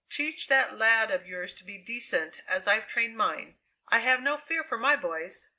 Teach that lad of yours to be decent, as I've trained mine. I have no fear for my boys!